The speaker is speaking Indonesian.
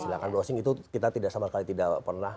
silahkan browsing itu kita tidak sama sekali tidak pernah